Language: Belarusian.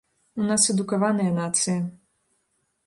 У нас адукаваная нацыя.